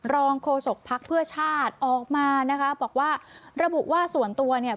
โฆษกภักดิ์เพื่อชาติออกมานะคะบอกว่าระบุว่าส่วนตัวเนี่ย